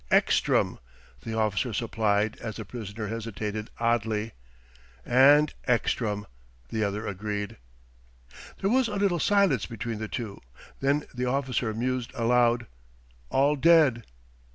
"Ekstrom," the officer supplied as the prisoner hesitated oddly. "And Ekstrom," the other agreed. There was a little silence between the two; then the officer mused aloud: "All dead!"